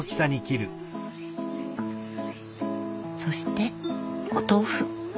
そしてお豆腐。